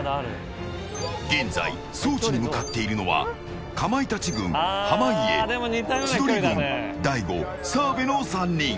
現在、装置に向かっているのはかまいたち軍、濱家千鳥軍、大悟、澤部の３人。